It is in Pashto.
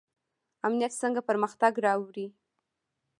امنیت څنګه پرمختګ راوړي؟